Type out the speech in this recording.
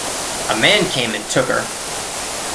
A man came and took her.